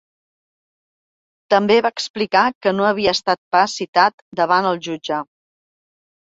També va explicar que no havia estat pas citat davant el jutge.